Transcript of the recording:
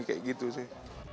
kayak gitu sih